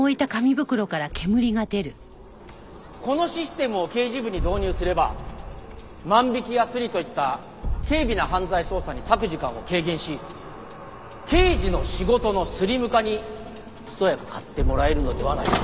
このシステムを刑事部に導入すれば万引きやスリといった軽微な犯罪捜査に割く時間を軽減し刑事の仕事のスリム化にひと役買ってもらえるのではないかと。